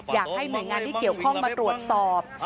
อยากให้หน่วยงานที่เกี่ยวข้องมาตรวจสอบ